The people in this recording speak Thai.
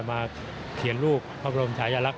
มาเขียนรูปพระบรมชายลักษ